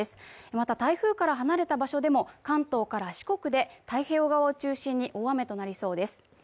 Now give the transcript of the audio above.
また台風から離れた場所でも関東から四国で、太平洋側を中心に大雨となりそうです。